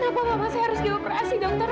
kenapa mama saya harus ke operasi dokter